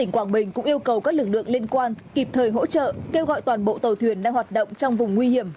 các lực lượng liên quan kịp thời hỗ trợ kêu gọi toàn bộ tàu thuyền đang hoạt động trong vùng nguy hiểm